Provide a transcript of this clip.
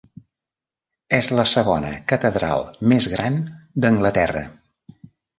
És la segona catedral més gran d'Anglaterra.